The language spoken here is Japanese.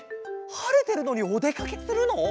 はれてるのにおでかけするの？